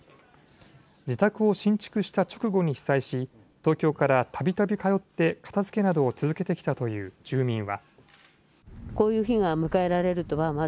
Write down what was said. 自宅を新築した直後に被災し東京からたびたび通って片づけなどを続けてきたという住民は。